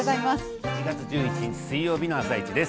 １月１１日水曜日の「あさイチ」です。